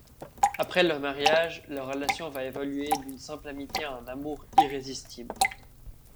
Après le mariage, leur relation va évoluer d'une simple amitié à un amour irrésistible.